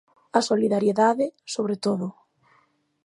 A solidariedade, sobre todo.